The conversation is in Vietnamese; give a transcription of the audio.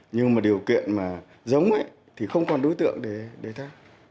nhưng mà điều kiện giống thì không còn đối tượng để tha